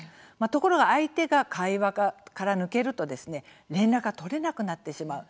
ところが相手が会話から抜けると連絡が取れなくなってしまう。